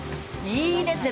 いいですね。